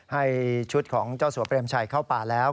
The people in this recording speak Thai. ให้ชุดของเจ้าสัวเปรมชัยเข้าป่าแล้ว